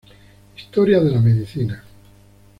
Historia de la Medicina.